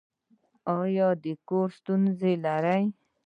ایا د کور ستونزې لرئ؟